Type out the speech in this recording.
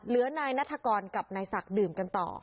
นายนัฐกรกับนายศักดิ์ดื่มกันต่อ